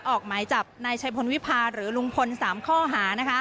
ออกหมายจับนายชัยพลวิพาหรือลุงพล๓ข้อหา